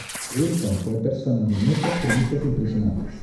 Wilson fue persona de muchas primicias impresionantes.